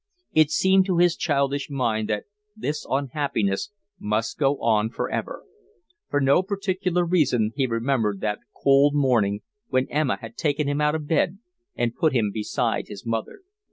It seemed to his childish mind that this unhappiness must go on for ever. For no particular reason he remembered that cold morning when Emma had taken him out of bed and put him beside his mother.